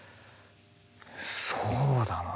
そうだな。